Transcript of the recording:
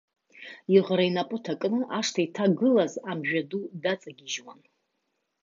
Иӷра инапы ҭакны ашҭа иҭагылаз амжәа ду даҵагьежьуан.